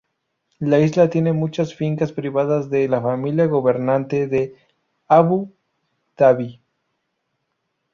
La isla tiene muchas fincas privadas de la familia gobernante de Abu Dhabi.